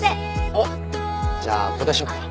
おっじゃあ交代しよっか。